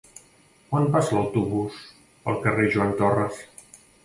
Quan passa l'autobús pel carrer Joan Torras?